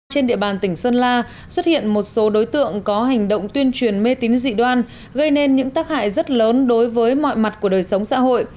trên địa bàn tỉnh sơn la xuất hiện một số đối tượng có hành động tuyên truyền mê tín dị đoan gây nên những tác hại rất lớn đối với mọi mặt của đời sống xã hội